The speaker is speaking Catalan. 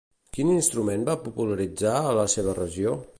Quin instrument va popularitzar a la seva regió?